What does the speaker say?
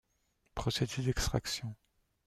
Procédés d'extraction.